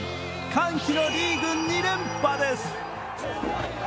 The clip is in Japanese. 歓喜のリーグ２連覇です！